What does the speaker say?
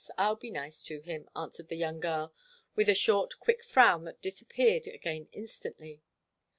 I'll be nice to him," answered the young girl, with a short, quick frown that disappeared again instantly.